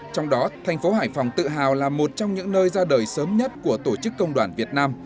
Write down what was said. trong đó thành phố hải phòng tự hào là một trong những nơi ra đời sớm nhất của tổ chức công đoàn việt nam